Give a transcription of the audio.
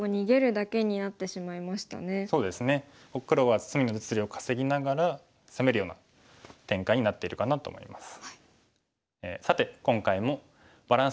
黒は隅の実利を稼ぎながら攻めるような展開になってるかなと思います。